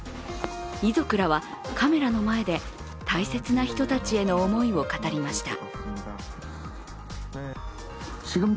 遺族らはカメラの前で、大切な人たちへの思いを語りました。